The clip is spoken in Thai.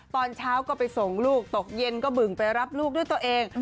ตอนเช้าก็ไปส่งลูกตกเย็นก็บึ่งไปรับลูกด้วยตัวเอง